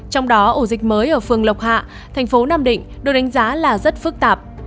trong đó ổ dịch mới ở phường lộc hạ thành phố nam định được đánh giá là rất phức tạp